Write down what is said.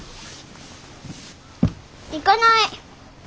行かない！